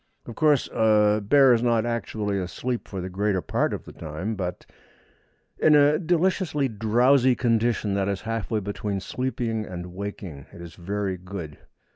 Of course, a bear is not actually asleep for the greater part of the time, but in a deliciously drowsy condition that is halfway between sleeping and waking. It is very good.